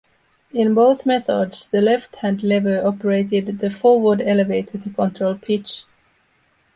In both methods the left-hand lever operated the forward elevator to control pitch.